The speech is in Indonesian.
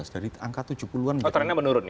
dua ribu empat belas dari angka tujuh puluh an